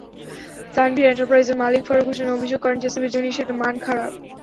তানভির এন্টারপ্রাইজের মালিক ফারুক হোসেন অভিযোগ করেন, টিসিবির জিনিসের মান খারাপ।